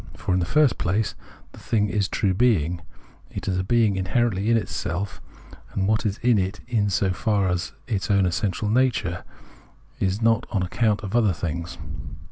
For, in the first place, the thing is true being, is a being in herently in itself ; and what is in it is so as its own essential nature, and not on account of other things.